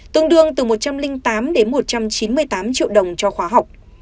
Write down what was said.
tương đương từ một trăm linh tám đến một trăm chín mươi tám triệu đồng cho khóa học